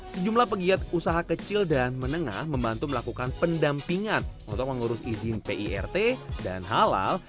sejumlah pegiat usaha kecil dan menengah membantu melakukan pendampingan untuk mengurus izin pirt dan halal